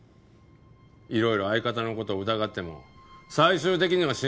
いろいろ相方の事疑っても最終的には信じたんや。